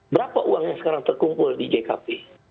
berapa uang yang sekarang terkumpul di jkp